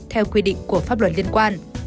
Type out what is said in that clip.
theo quy định của pháp luật liên quan